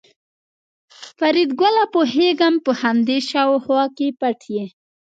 فریدګله پوهېږم چې په همدې شاوخوا کې پټ یې